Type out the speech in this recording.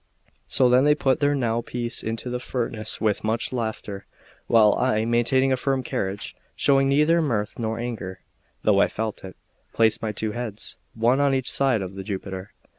So then they put their now piece into the furnace with much laughter; while I, maintaining a firm carriage, showing neither mirth nor anger (though I felt it), placed my two heads, one on each side of the Jupiter.